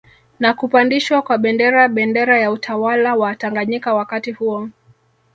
Na kupandishwa kwa Bendera bendera ya utawala wa Tanganyika wakati huo